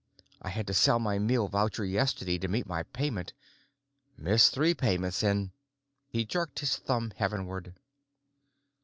I had to sell my meal voucher yesterday to meet my payment. Miss three payments and——" He jerked his thumb heavenward.